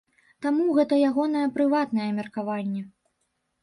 Таму гэта ягонае прыватнае меркаванне.